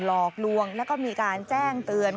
หลอกลวงแล้วก็มีการแจ้งเตือน